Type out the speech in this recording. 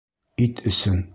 Ит өсөн!